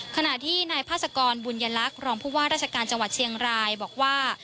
ขณะที่นายพาสกรบุญยลักษณ์รองผู้ว่าราชการจังหวัดเชียงรายบอกว่า